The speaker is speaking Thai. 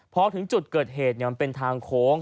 พอถึงจุดเกิดเหตุมันเป็นทางโค้ง